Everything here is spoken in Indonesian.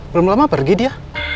belum lama pergi dia